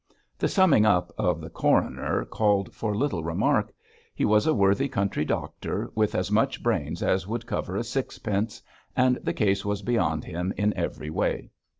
The summing up of the coroner called for little remark. He was a worthy country doctor, with as much brains as would cover a sixpence, and the case was beyond him in every way.